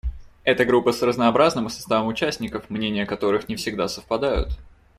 Это группа с разнообразным составом участников, мнения которых не всегда совпадают.